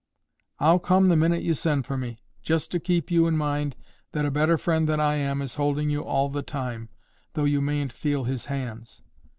"I'll come the minute you send for me—just to keep you in mind that a better friend than I am is holding you all the time, though you mayn't feel His hands.